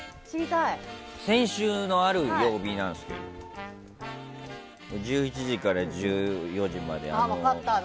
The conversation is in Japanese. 先週のある曜日なんですけど１１時から１４時まで。